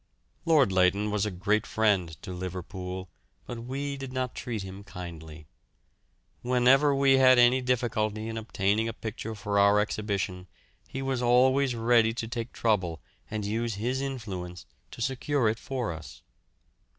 Lord Leighton was a great friend to Liverpool, but we did not treat him kindly. Whenever we had any difficulty in obtaining a picture for our exhibition he was always ready to take trouble and use his influence to secure it for us.